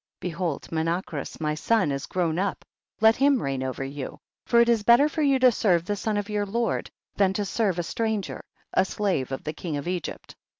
7. Behold Menacrus my son is grown up, let him reign over you, for it is better for you to serve the son of your lord, than to serve a stranger, a slave of the king of Egypt.